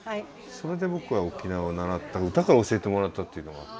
それで僕は沖縄を習った唄から教えてもらったっていう。